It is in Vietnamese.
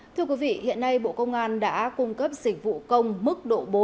thưa quý vị hiện nay bộ công an đã cung cấp dịch vụ công mức độ bốn